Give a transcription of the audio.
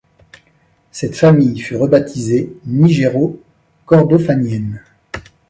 Cette famille fut rebaptisée nigéro-kordofanienne.